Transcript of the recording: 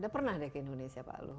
pernah deh ke indonesia pak luhut